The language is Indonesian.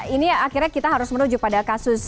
ini akhirnya kita harus menuju pada kasus